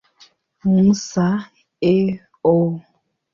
Musa, A. O.